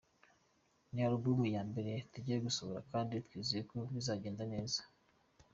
Ni album ya mbere tugiye gusohora kandi twizeye ko bizagenda neza.